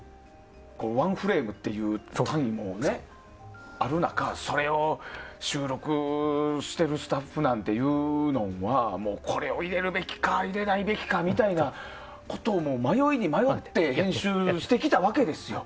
１フレームという単位もある中それを収録してるスタッフなんていうのはこれを入れるべきか入れないべきかみたいなことを迷いに迷って編集してきたわけですよ。